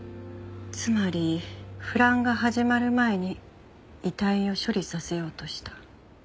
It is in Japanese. つまり腐乱が始まる前に遺体を処理させようとした。